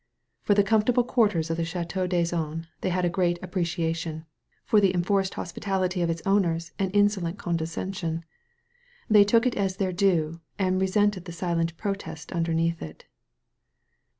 For the comfortable quar ters of the Ch&teau d'Azan they had a gross appre ciation, for the enforced hospitality of its owners an insolent condescension. They took it as their due, and resented the silent protest underneath it.